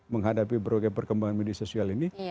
menghadapi berbagai perkembangan media sosial ini